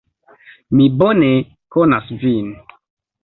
Mi bone konas Vin!